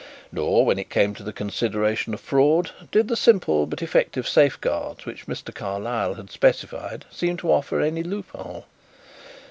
Nor, when it came to the consideration of fraud, did the simple but effective safeguards which Mr. Carlyle had specified seem to offer any loophole.